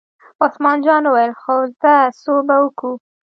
عثمان جان وویل: خو ځه څو به کوو.